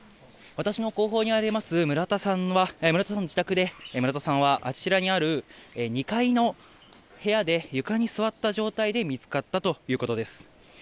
私の後方にあります村田さんの自宅で、村田さんはあちらにある２階の部屋で床に座った状態で見つかったということです。